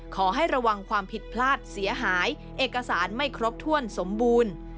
ขอให้ระวังความผิดพลาดเสียหายเอกสารไม่ครบถ้วนสมบูรณ์